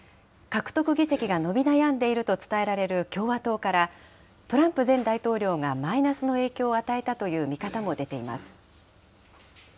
獲得議席が伸び悩んでいると伝えられる共和党から、トランプ前大統領がマイナスの影響を与えたという見方も出ています。